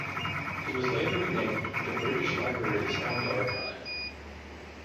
It was later renamed the British Library Sound Archive.